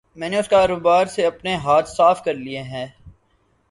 میں نے اس کاروبار سے اپنے ہاتھ صاف کر لیئے ہے۔